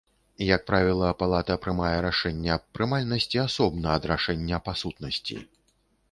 Як правіла, палата прымае рашэнне аб прымальнасці асобна ад рашэння па сутнасці.